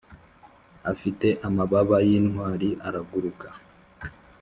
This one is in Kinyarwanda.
afite amababa y'intwari, araguruka.